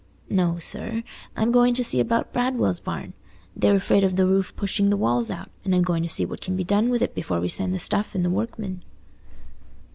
"No, sir, I'm going to see about Bradwell's barn. They're afraid of the roof pushing the walls out, and I'm going to see what can be done with it before we send the stuff and the workmen."